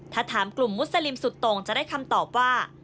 ถ้าถามกลุ่มมุสลิมสุดตรงจะได้คำตอบว่า